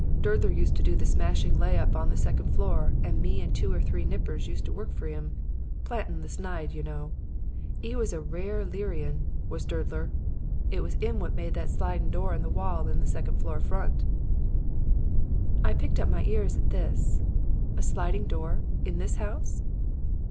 Durdler used to do the smashin' lay up on the second floor and me and two or three nippers used to work for 'im plantin' the snide, yer know. 'E was a rare leery un, was Durdler. It was 'im what made that slidin' door in the wall in the second floor front.' "I pricked up my ears at this. 'A sliding door? In this house?'